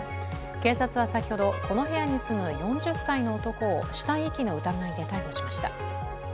警察は先ほど、この部屋に住む４０歳の男を死体遺棄の疑いで逮捕しました。